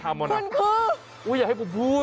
ความลับของแมวความลับของแมว